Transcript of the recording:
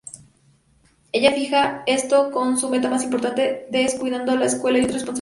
Ella fija esto como su meta más importante, descuidando la escuela y otras responsabilidades.